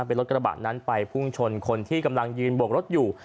เป็นรถกระบะนั้นไปพุ่งชนคนที่กำลังยืนบวกรถอยู่